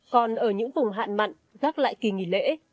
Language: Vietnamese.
còn ở những vùng hạn mặn gác lại kỳ nghỉ lễ